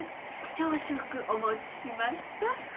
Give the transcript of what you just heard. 朝食お持ちしました。